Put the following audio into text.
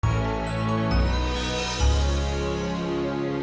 pasti saat itu dia bakal muncul semakin banyak lho